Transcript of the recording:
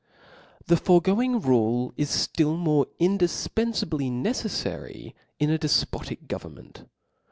. np H E foregoing rule is ftill more indifptnfibly •*■ neceflary in a defpotic government.